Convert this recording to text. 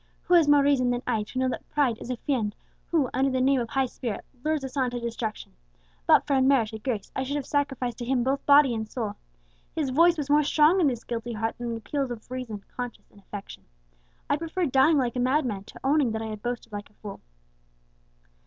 Who has more reason than I to know that pride is a fiend who, under the name of high spirit, lures us on to destruction? But for unmerited grace, I should have sacrificed to him both body and soul. His voice was more strong in this guilty heart than the appeals of reason, conscience, and affection. I preferred dying like a madman, to owning that I had boasted like a fool!"